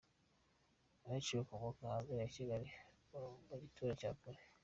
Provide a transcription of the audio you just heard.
Abenshi bakomoka hanze ya Kigali mu biturage bya kure.